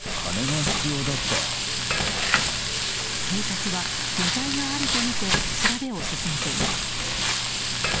警察は、余罪があるとみて調べを進めています。